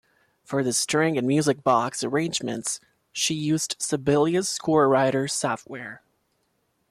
For the string and music box arrangements, she used Sibelius scorewriter software.